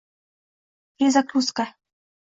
“Perezagruzka”